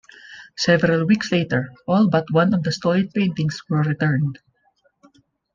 Several weeks later, all but one of the stolen paintings were returned.